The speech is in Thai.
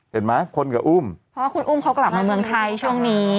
เห็นไหมคนกับอุ้มเพราะว่าคุณอุ้มเขากลับมาเมืองไทยช่วงนี้